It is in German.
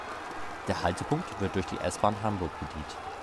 Der Haltepunkt wird durch die S-Bahn Hamburg bedient.